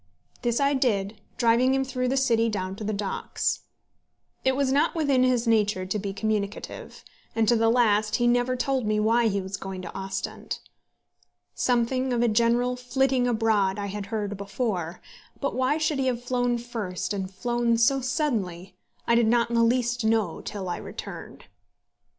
This I did, driving him through the city down to the docks. It was not within his nature to be communicative, and to the last he never told me why he was going to Ostend. Something of a general flitting abroad I had heard before, but why he should have flown the first, and flown so suddenly, I did not in the least know till I returned.